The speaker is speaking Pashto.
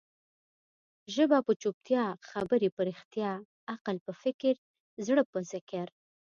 ژبه په چوپتيا، خبري په رښتیا، عقل په فکر، زړه په ذکر.